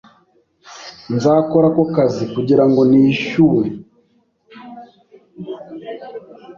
Nzakora ako kazi kugira ngo nishyuwe